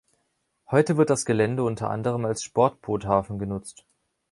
Heute wird das Gelände unter anderem als Sportboothafen genutzt.